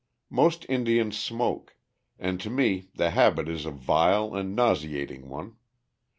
Most Indians smoke, and to me the habit is a vile and nauseating one.